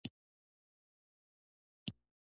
پیرودونکی خپل کارت د تادیې لپاره وکاراوه.